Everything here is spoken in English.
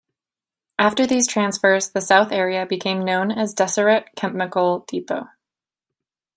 After these transfers the South Area became known as Deseret Chemical Depot.